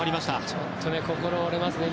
ちょっと心が折れますね。